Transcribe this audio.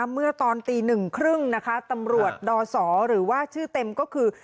เมื่อตอนตีหนึ่งครึ่งตำรวจด่อสอหรือชื่อเต็มก็คือ